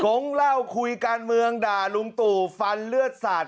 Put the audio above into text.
งเล่าคุยการเมืองด่าลุงตู่ฟันเลือดสาด